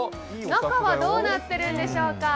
中はどうなっているんでしょうか。